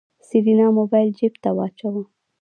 سېرېنا موبايل جېب ته واچوه.